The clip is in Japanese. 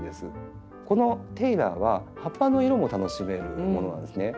このテイラーは葉っぱの色も楽しめるものなんですね。